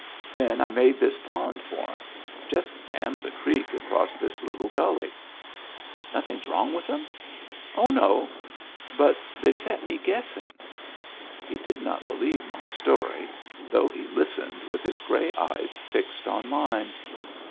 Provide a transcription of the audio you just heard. Then I made this pond for 'em — just dammed the creek across this little gully. Noth ing's wrong with 'em ?"" Oh, no. But they've set me guessing." He did not believe my story, though he lis tened with his gray eyes fixed on mine.